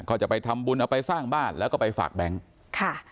ก็จะไปทำบุญเอาไปสร้างบ้านแล้วก็ไปฝากแบงค์ค่ะ